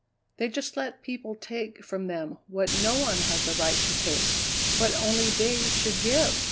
They just let people take from them what no one has a right to take, what only they should give!